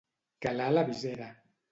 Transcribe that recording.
Calar la visera.